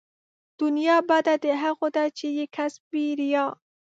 دنيا بده د هغو ده چې يې کسب وي ريا